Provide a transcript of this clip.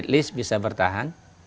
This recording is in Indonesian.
at least bisa bertahan